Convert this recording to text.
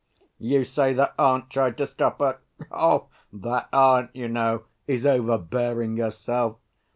You say that aunt tried to stop her? That aunt, you know, is overbearing, herself.